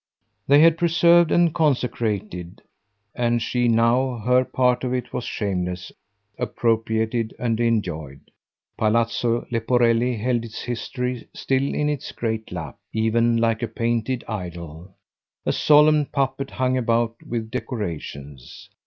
They had preserved and consecrated, and she now her part of it was shameless appropriated and enjoyed. Palazzo Leporelli held its history still in its great lap, even like a painted idol, a solemn puppet hung about with decorations.